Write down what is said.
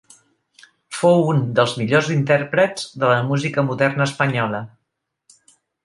Fou un dels millors intèrprets de la música moderna espanyola.